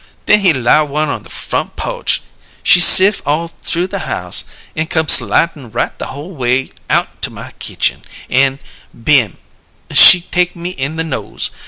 When he light one on the front po'che, she sif' all through the house, an' come slidin' right the whole way out to my kitchen, an' bim! she take me in the nose!